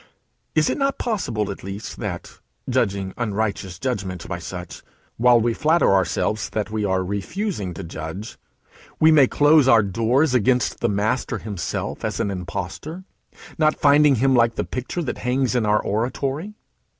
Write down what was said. Is it not possible at least that, judging unrighteous judgment by such while we flatter ourselves that we are refusing to judge, we may close our doors against the Master himself as an impostor, not finding him like the picture that hangs in our oratory.